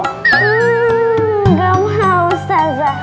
hmm gak mau ustazah